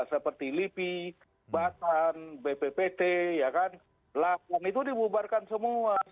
seperti lipi batan bppt lapan itu dibubarkan semua